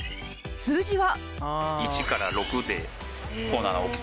数字は